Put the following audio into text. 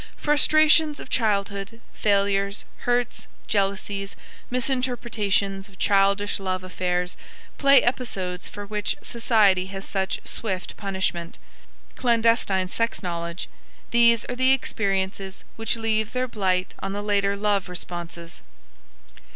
Frustrations of childhood, failures, hurts, jealousies, misinterpretations of childish love affairs, play episodes for which society has such swift punishment, clandestine sex knowledge these are the experiences which leave their blight on the later love responses.